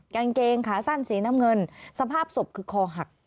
กางเกงขาสั้นสีน้ำเงินสภาพศพคือคอหัก